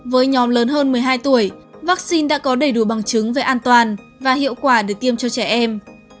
với nhóm lớn hơn một mươi hai tuổi vaccine đã có đầy đủ bằng chứng về an toàn và hiệu quả để tiêm cho trẻ em